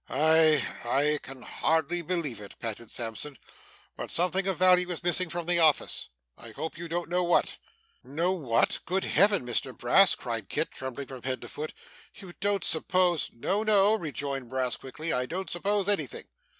'I I can hardly believe it,' panted Sampson, 'but something of value is missing from the office. I hope you don't know what.' 'Know what! good Heaven, Mr Brass!' cried Kit, trembling from head to foot; 'you don't suppose ' 'No, no,' rejoined Brass quickly, 'I don't suppose anything.